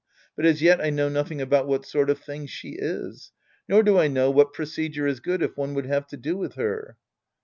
But as yet I know nothing about what sort of thing she is. Nor do I know what procedure is good if one would have to do with her.